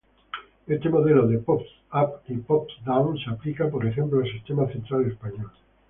Este modelo de "pops-up" y "pops-down" se aplica por ejemplo al Sistema Central español.